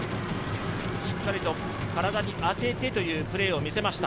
しっかりと体に当ててというプレーを見せました。